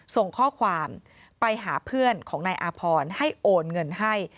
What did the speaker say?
ส่งข้อความไปหาเพื่อนของนายอาพรให้โอนเงินให้